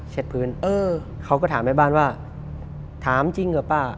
พื้นเออเขาก็ถามแม่บ้านว่าถามจริงเหรอป้า